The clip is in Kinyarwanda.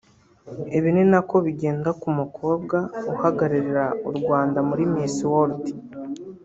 Ibi ni nako bigenda ku mukobwa uhagararira u Rwanda muri Miss World